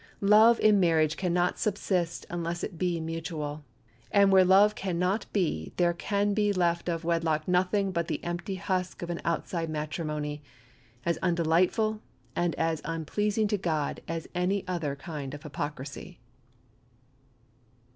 Love in marriage can not subsist unless it be mutual; and where love can not be there can be left of wedlock nothing but the empty husk of an outside matrimony, as undelightful and as unpleasing to God as any other kind of hypocrisy.